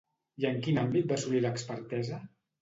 I en quin àmbit va assolir l'expertesa?